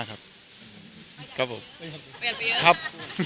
ชกดีมากครับ